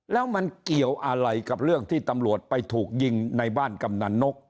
แล้วมันเกี่ยวอะไรกับเรื่องที่ตำรวจไปถูกยิงในบ้านกำนันนก